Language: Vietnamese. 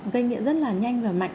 gây nghĩa rất là nhanh và mạnh